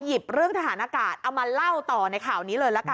เรื่องทหารอากาศเอามาเล่าต่อในข่าวนี้เลยละกัน